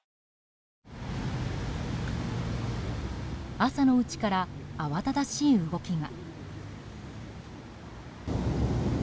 朝のうちから慌ただしい動きが。